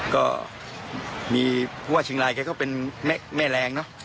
ก็มีผู้ว่าเชียงรายแกก็เป็นแม่แรงเนอะ